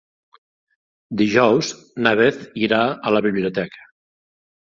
Dijous na Beth irà a la biblioteca.